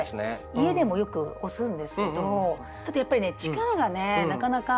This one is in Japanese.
家でもよく押すんですけどちょっとやっぱりね力がねなかなか。